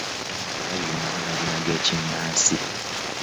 Abaana bazina amazina g'ekinnansi.